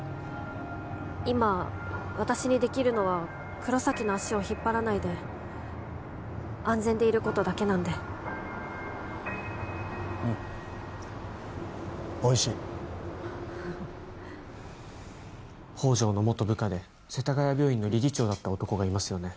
今私にできるのは黒崎の足を引っ張らないで安全でいることだけなんでうんおいしい宝条の元部下で世田谷病院の理事長だった男がいますよね